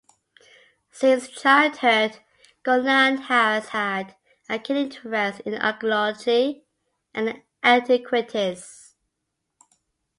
Since childhood, Golan has had a keen interest in archeology and antiquities.